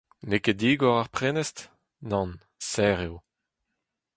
N'eo ket digor ar prenestr ? Nann, serr eo.